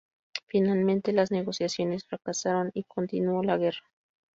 Finalmente, las negociaciones fracasaron y continuó la guerra.